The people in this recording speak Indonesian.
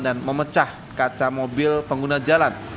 dan memecah kaca mobil pengguna jalan